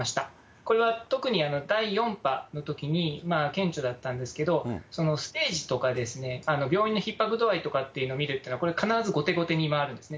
これは特に第４波のときに、顕著だったんですけれども、ステージとかですね、病院のひっ迫度合いを見ると、これ、必ず後手後手に回るんですね。